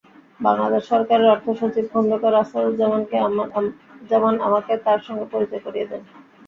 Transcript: বাংলাদেশ সরকারের অর্থসচিব খোন্দকার আসাদুজ্জামান আমাকে তাঁর সঙ্গে পরিচয় করিয়ে দেন।